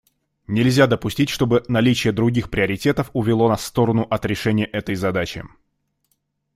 Нельзя допустить, чтобы наличие других приоритетов увело нас в сторону от решения этой задачи.